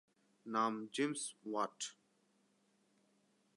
নাম James watt.